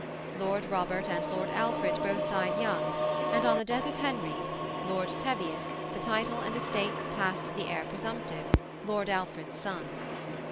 Lord Robert and Lord Alfred both died young, and on the death of Henry, Lord Teviot, the title and estates passed to the heir presumptive. Lord Alfred's son.